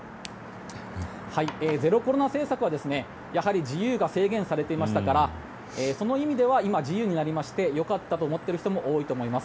ゼロコロナ政策は自由が制限されていましたからその意味では今自由になりましてよかったと思っている人も多いと思います。